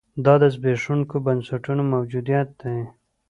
دا د زبېښونکو بنسټونو موجودیت دی.